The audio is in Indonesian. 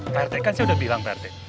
pak rt kan saya udah bilang pak rt